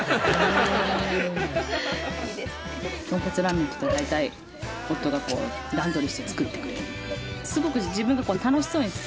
豚骨ラーメンっていうと大体夫が段取りして作ってくれる。